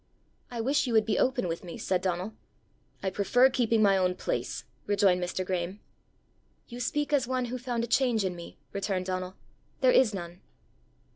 "I wish you would be open with me," said Donal. "I prefer keeping my own place," rejoined Mr. Graeme. "You speak as one who found a change in me," returned Donal. "There is none."